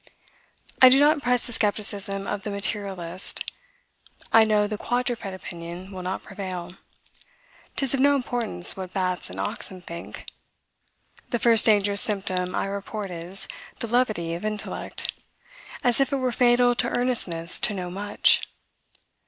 I do not press the skepticism of the materialist. I know the quadruped opinion will not prevail. 'Tis of no importance what bats and oxen think. The first dangerous symptom I report is, the levity of intellect; as if it were fatal to earnestness to know much.